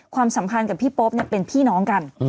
ความสำคัญกับพี่ปุ๊บเนี่ยเป็นพี่น้องกัน